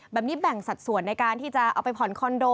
แบ่งสัดส่วนในการที่จะเอาไปผ่อนคอนโด